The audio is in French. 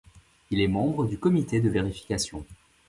Il est membre du comité de vérification.